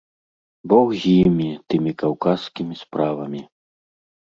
Бог з імі, тымі каўказскімі справамі!